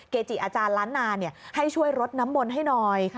จิอาจารย์ล้านนาให้ช่วยรดน้ำมนต์ให้หน่อย